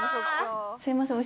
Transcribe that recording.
すいません